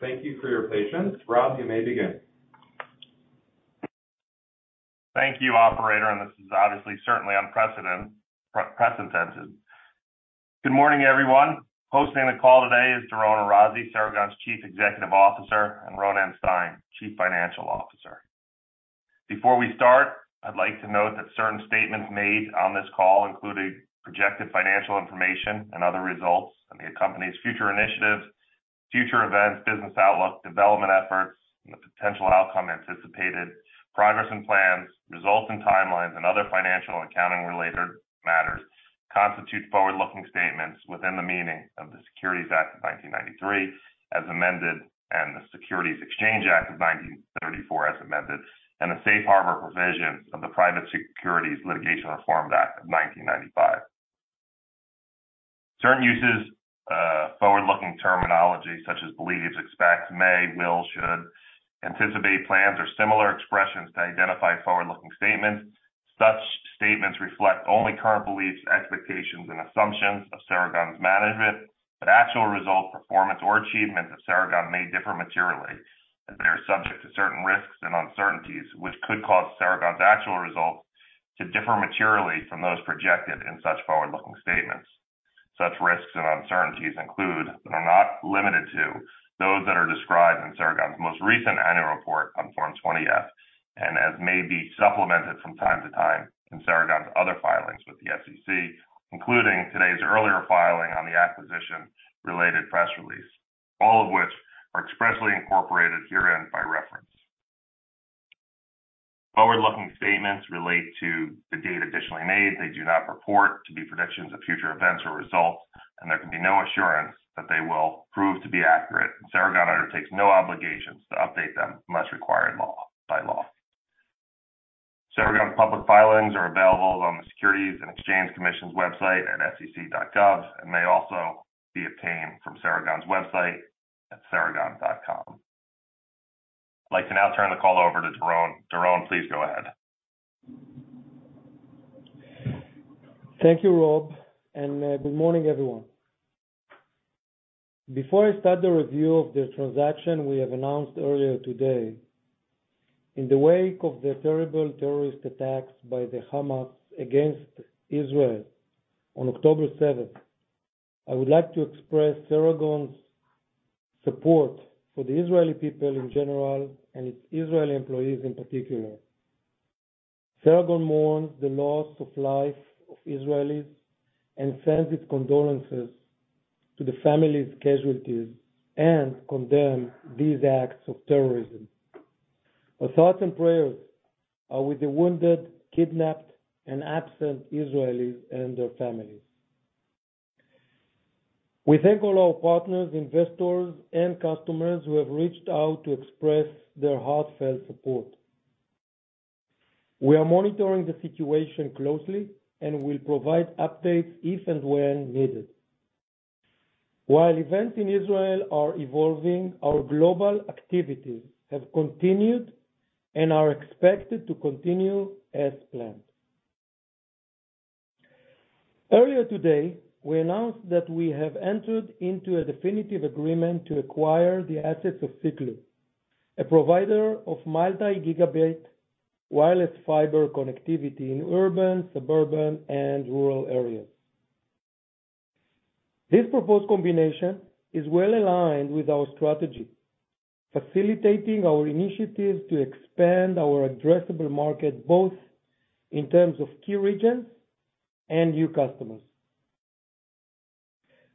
Thank you for your patience. Rob, you may begin. Thank you, operator, and this is obviously certainly unprecedented. Good morning, everyone. Hosting the call today is Doron Arazi, Ceragon's Chief Executive Officer, and Ronen Stein, Chief Financial Officer. Before we start, I'd like to note that certain statements made on this call, including projected financial information and other results, and the company's future initiatives, future events, business outlook, development efforts, and the potential outcome anticipated, progress and plans, results and timelines, and other financial accounting-related matters, constitute forward-looking statements within the meaning of the Securities Act of 1933, as amended, and the Securities Exchange Act of 1934, as amended, and the safe harbor provisions of the Private Securities Litigation Reform Act of 1995. Certain uses, forward-looking terminology, such as believes, expects, may, will, should, anticipate, plans, or similar expressions to identify forward-looking statements. Such statements reflect only current beliefs, expectations, and assumptions of Ceragon's management, but actual results, performance, or achievements of Ceragon may differ materially, and they are subject to certain risks and uncertainties, which could cause Ceragon's actual results to differ materially from those projected in such forward-looking statements. Such risks and uncertainties include, but are not limited to, those that are described in Ceragon's most recent annual report on Form 20-F, and as may be supplemented from time to time in Ceragon's other filings with the SEC, including today's earlier filing on the acquisition-related press release, all of which are expressly incorporated herein by reference. Forward-looking statements relate to the date additionally made. They do not purport to be predictions of future events or results, and there can be no assurance that they will prove to be accurate. Ceragon undertakes no obligations to update them, unless required by law. Ceragon's public filings are available on the Securities and Exchange Commission's website at sec.gov and may also be obtained from Ceragon's website at ceragon.com. I'd like to now turn the call over to Doron. Doron, please go ahead. Thank you, Rob, and good morning, everyone. Before I start the review of the transaction we have announced earlier today, in the wake of the terrible terrorist attacks by the Hamas against Israel on October seventh, I would like to express Ceragon's support for the Israeli people in general and its Israeli employees in particular. Ceragon mourns the loss of life of Israelis and sends its condolences to the families, casualties, and condemn these acts of terrorism. Our thoughts and prayers are with the wounded, kidnapped, and absent Israelis and their families. We thank all our partners, investors, and customers who have reached out to express their heartfelt support. We are monitoring the situation closely and will provide updates if and when needed. While events in Israel are evolving, our global activities have continued and are expected to continue as planned. Earlier today, we announced that we have entered into a definitive agreement to acquire the assets of Siklu, a provider of multi-gigabit wireless fiber connectivity in urban, suburban, and rural areas. This proposed combination is well aligned with our strategy, facilitating our initiatives to expand our addressable market, both in terms of key regions and new customers.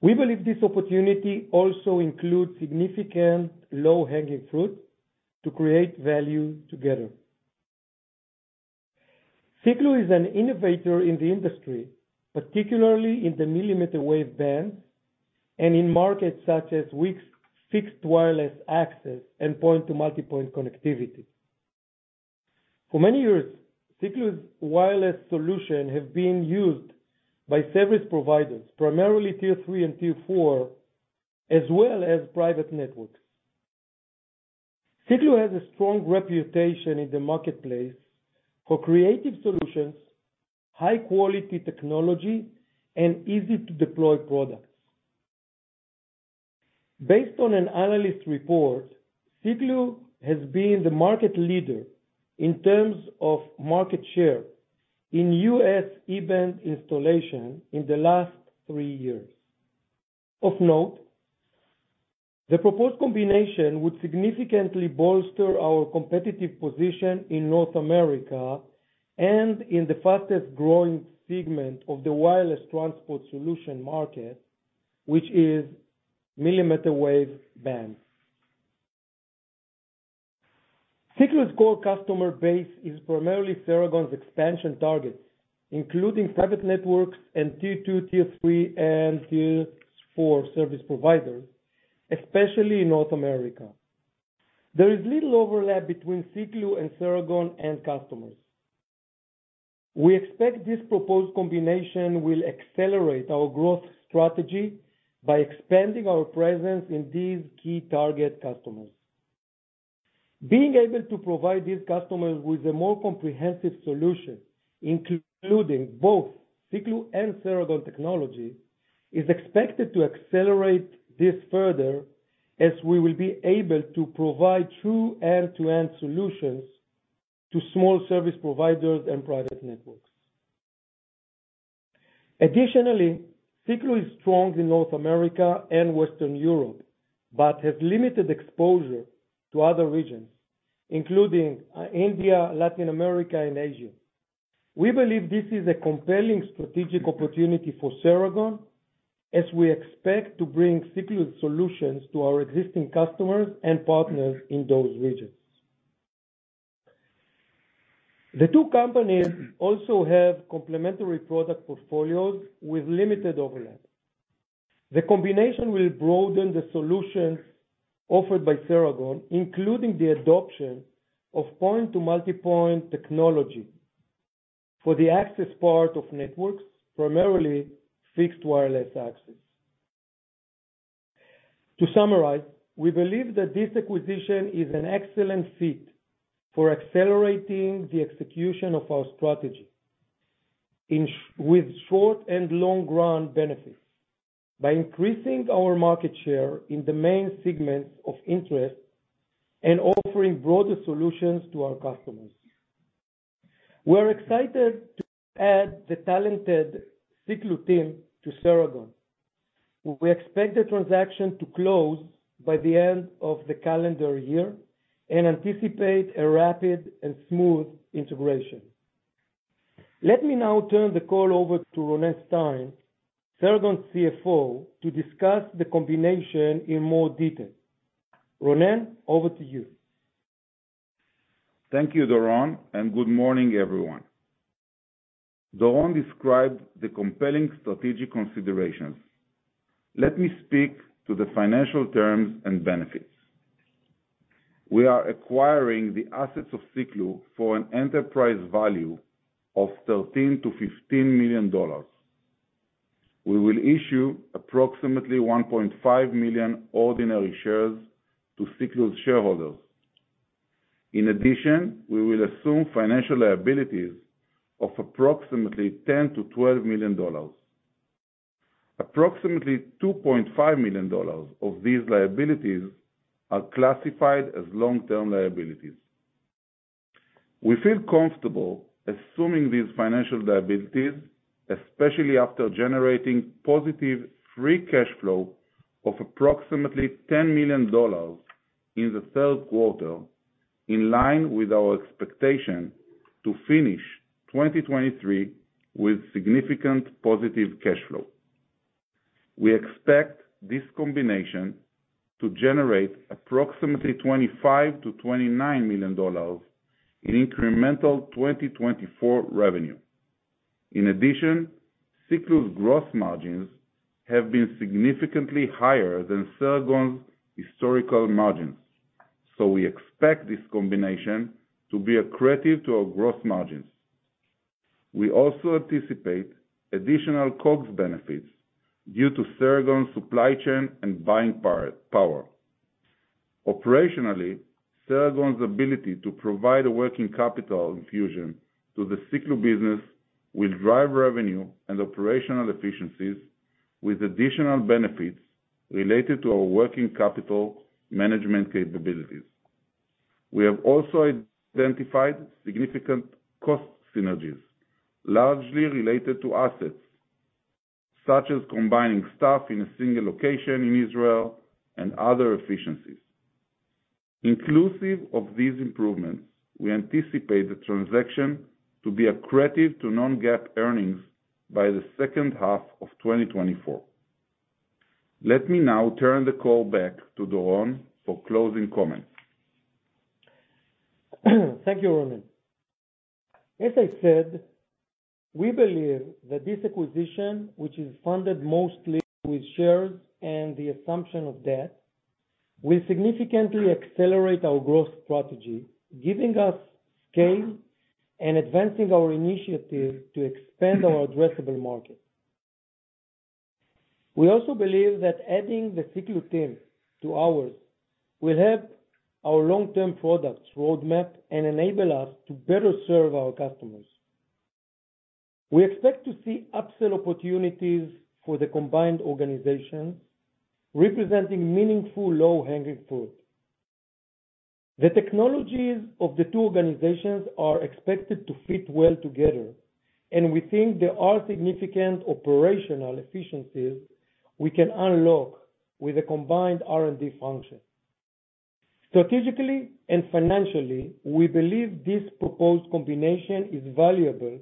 We believe this opportunity also includes significant low-hanging fruit to create value together. Siklu is an innovator in the industry, particularly in the millimeter wave band and in markets such as FWA, fixed wireless access and point-to-multipoint connectivity. For many years, Siklu's wireless solution have been used by service providers, primarily Tier 3 and Tier 4, as well as private networks. Siklu has a strong reputation in the marketplace for creative solutions, high-quality technology, and easy-to-deploy products. Based on an analyst report, Siklu has been the market leader in terms of market share in U.S. E-band installation in the last three years. Of note, the proposed combination would significantly bolster our competitive position in North America and in the fastest-growing segment of the wireless transport solution market, which is millimeter wave band. Siklu's core customer base is primarily Ceragon's expansion targets, including private networks and Tier 2, Tier 3, and Tier 4 service providers, especially in North America. There is little overlap between Siklu and Ceragon end customers. We expect this proposed combination will accelerate our growth strategy by expanding our presence in these key target customers. Being able to provide these customers with a more comprehensive solution, including both Siklu and Ceragon technology, is expected to accelerate this further, as we will be able to provide true end-to-end solutions to small service providers and private networks. Additionally, Siklu is strong in North America and Western Europe, but has limited exposure to other regions, including India, Latin America, and Asia. We believe this is a compelling strategic opportunity for Ceragon, as we expect to bring Siklu's solutions to our existing customers and partners in those regions. The two companies also have complementary product portfolios with limited overlap. The combination will broaden the solutions offered by Ceragon, including the adoption of point-to-multipoint technology for the access part of networks, primarily fixed wireless access. To summarize, we believe that this acquisition is an excellent fit for accelerating the execution of our strategy, with short and long run benefits, by increasing our market share in the main segments of interest and offering broader solutions to our customers. We're excited to add the talented Siklu team to Ceragon. We expect the transaction to close by the end of the calendar year, and anticipate a rapid and smooth integration. Let me now turn the call over to Ronen Stein, Ceragon's CFO, to discuss the combination in more detail. Ronen, over to you. Thank you, Doron, and good morning, everyone. Doron described the compelling strategic considerations. Let me speak to the financial terms and benefits. We are acquiring the assets of Siklu for an enterprise value of $13 million-$15 million. We will issue approximately 1.5 million ordinary shares to Siklu's shareholders. In addition, we will assume financial liabilities of approximately $10 million-$12 million. Approximately $2.5 million of these liabilities are classified as long-term liabilities. We feel comfortable assuming these financial liabilities, especially after generating positive free cash flow of approximately $10 million in the third quarter, in line with our expectation to finish 2023 with significant positive cash flow. We expect this combination to generate approximately $25 million-$29 million in incremental 2024 revenue. In addition, Siklu's gross margins have been significantly higher than Ceragon's historical margins, so we expect this combination to be accretive to our gross margins. We also anticipate additional COGS benefits due to Ceragon's supply chain and buying power. Operationally, Ceragon's ability to provide a working capital infusion to the Siklu business will drive revenue and operational efficiencies, with additional benefits related to our working capital management capabilities. We have also identified significant cost synergies, largely related to assets, such as combining staff in a single location in Israel and other efficiencies. Inclusive of these improvements, we anticipate the transaction to be accretive to non-GAAP earnings by the second half of 2024. Let me now turn the call back to Doron for closing comments. Thank you, Ronen. As I said, we believe that this acquisition, which is funded mostly with shares and the assumption of debt, will significantly accelerate our growth strategy, giving us scale and advancing our initiative to expand our addressable market. We also believe that adding the Siklu team to ours will help our long-term products roadmap and enable us to better serve our customers. We expect to see upsell opportunities for the combined organization, representing meaningful low-hanging fruit. The technologies of the two organizations are expected to fit well together, and we think there are significant operational efficiencies we can unlock with a combined R&D function. Strategically and financially, we believe this proposed combination is valuable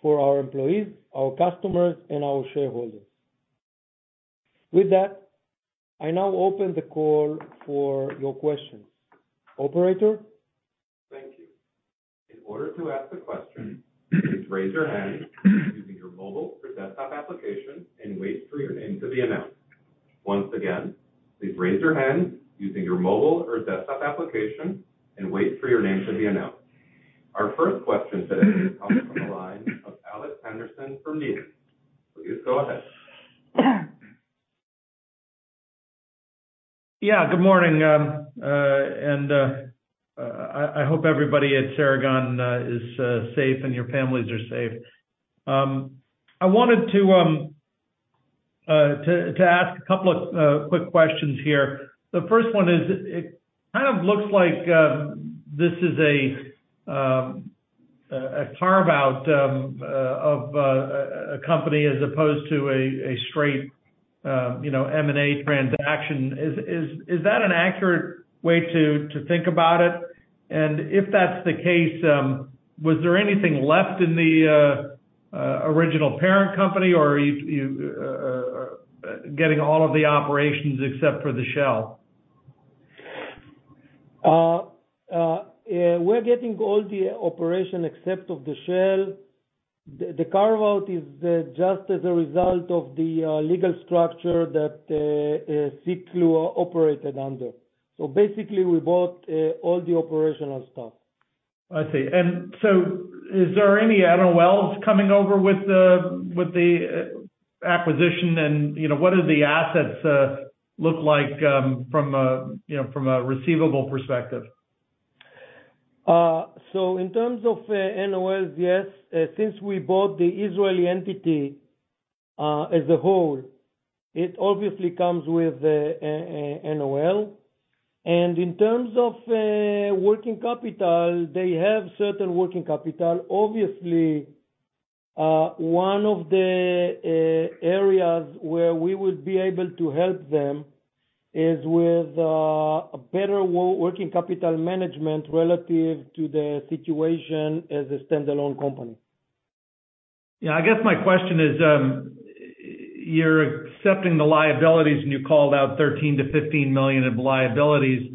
for our employees, our customers, and our shareholders. With that, I now open the call for your questions. Operator? Thank you. In order to ask a question, please raise your hand using your mobile or desktop application and wait for your name to be announced. Once again, please raise your hand using your mobile or desktop application and wait for your name to be announced. Our first question today comes from the line of Alex Henderson from Needham. Please go ahead. ... Yeah, good morning. And I hope everybody at Ceragon is safe and your families are safe. I wanted to ask a couple of quick questions here. The first one is, it kind of looks like this is a carve-out of a company as opposed to a straight, you know, M&A transaction. Is that an accurate way to think about it? And if that's the case, was there anything left in the original parent company, or are you getting all of the operations except for the shell? We're getting all the operations except the shell. The carve-out is just as a result of the legal structure that Siklu operated under. So basically, we bought all the operational stuff. I see. And so is there any NOLs coming over with the, with the, acquisition? And, you know, what do the assets look like from a, you know, from a receivable perspective? So in terms of NOLs, yes. Since we bought the Israeli entity as a whole, it obviously comes with a NOL. And in terms of working capital, they have certain working capital. Obviously, one of the areas where we would be able to help them is with a better working capital management relative to the situation as a standalone company. Yeah, I guess my question is, you're accepting the liabilities, and you called out $13 million-$15 million in liabilities,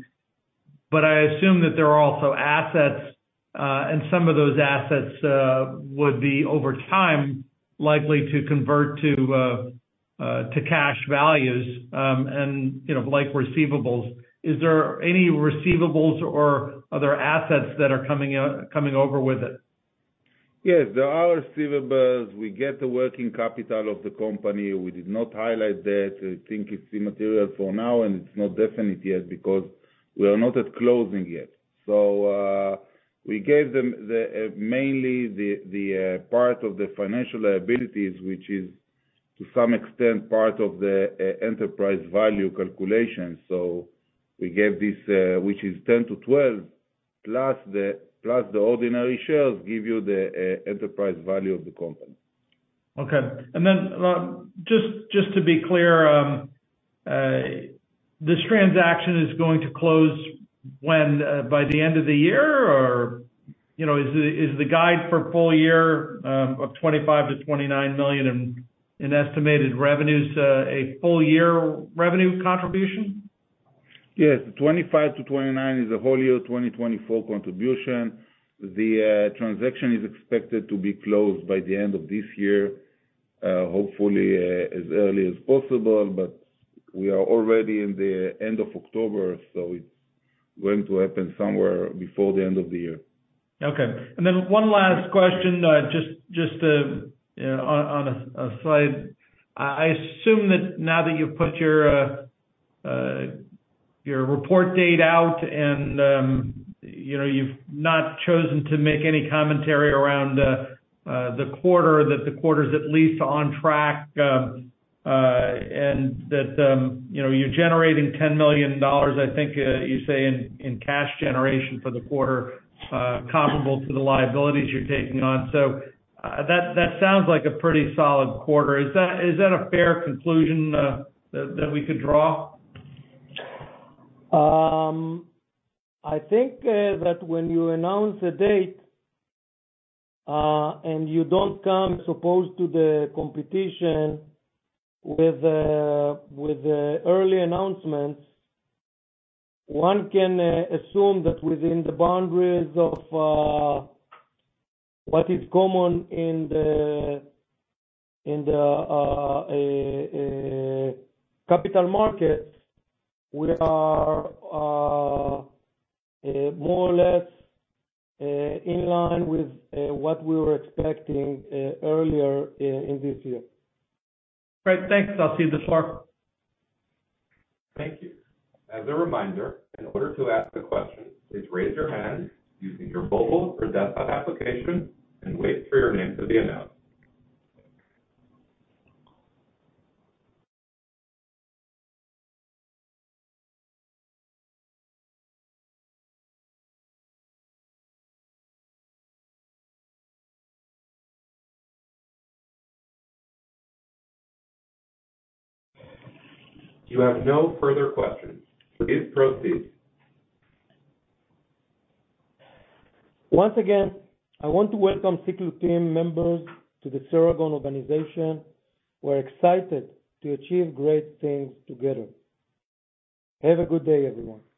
but I assume that there are also assets, and some of those assets would be, over time, likely to convert to, to cash values, and, you know, like receivables. Is there any receivables or other assets that are coming over with it? Yes, there are receivables. We get the working capital of the company. We did not highlight that. We think it's immaterial for now, and it's not definite yet because we are not at closing yet. So, we gave them mainly the part of the financial liabilities, which is to some extent, part of the enterprise value calculation. So we gave this, which is $10-12, plus the ordinary shares, give you the enterprise value of the company. Okay. And then, just to be clear, this transaction is going to close when? By the end of the year, or, you know, is the guide for full year of $25-$29 million in estimated revenues a full year revenue contribution? Yes, 25-29 is a whole year 2020 full contribution. The transaction is expected to be closed by the end of this year, hopefully, as early as possible, but we are already in the end of October, so it's going to happen somewhere before the end of the year. Okay. And then one last question, just, just, you know, on, on a, a slide. I assume that now that you've put your, your report date out and, you know, you've not chosen to make any commentary around, the quarter, that the quarter is at least on track, and that, you know, you're generating $10 million, I think, you say in, in cash generation for the quarter, comparable to the liabilities you're taking on. That, that sounds like a pretty solid quarter. Is that, is that a fair conclusion, that, that we could draw? I think that when you announce a date and you don't come opposed to the competition with the early announcements, one can assume that within the boundaries of what is common in the capital markets, we are more or less in line with what we were expecting earlier in this year. Great. Thanks. I'll cede the floor. Thank you. As a reminder, in order to ask a question, please raise your hand using your mobile or desktop application and wait for your name to be announced. You have no further questions. Please proceed. Once again, I want to welcome Siklu team members to the Ceragon organization. We're excited to achieve great things together. Have a good day, everyone.